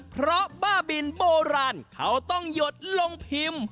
เพราะบ้าบินโบราณเขาต้องหยดลงพิมพ์